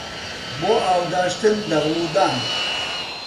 بۆ ئاو داشتن دەغڵ و دان